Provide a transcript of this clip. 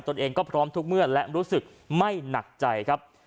ตัวเองก็พร้อมทุกเมื่อและรู้สึกไม่หนักใจครับ